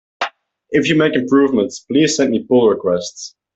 If you make improvements, please send me pull requests!